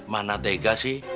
mana tega sih